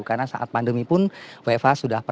karena saat pandemi pun wfh sudah penuh